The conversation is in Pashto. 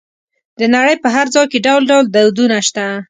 د نړۍ په هر ځای کې ډول ډول دودونه شته.